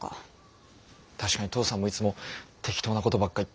確かに父さんもいつも適当なことばっか言ってはぐらかしてたけど。